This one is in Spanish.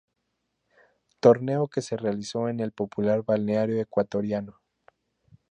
Torneo que se realizó en el popular balneario ecuatoriano.